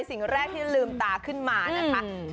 สิ่งแรกที่ลืมตาขึ้นมานะคะ